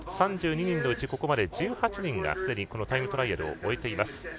３２人のうちここまで１８人がタイムトライアルを終えています。